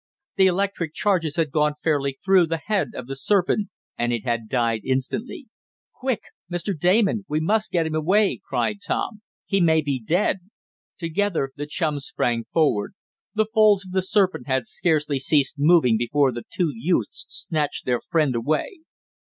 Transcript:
The electric charges had gone fairly through the head of the serpent and it had died instantly. "Quick! Mr. Damon! We must get him away!" cried Tom. "He may be dead!" Together the chums sprang forward. The folds of the serpent had scarcely ceased moving before the two youths snatched their friend away.